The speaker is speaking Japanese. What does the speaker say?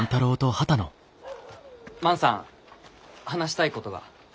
万さん話したいことが。